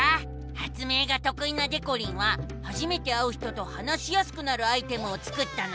発明がとくいなでこりんは初めて会う人と話しやすくなるアイテムを作ったのさ！